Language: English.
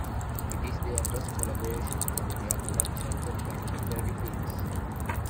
It is their first collaboration from their production company "Dirty Films".